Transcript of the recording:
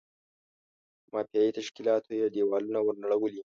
مافیایي تشکیلاتو یې دېوالونه ور نړولي.